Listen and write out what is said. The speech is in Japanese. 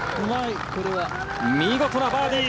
見事なバーディー！